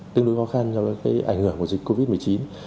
tương đối khó khăn do cái ảnh hưởng của dịch covid một mươi chín